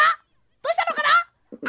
どうしたのかな？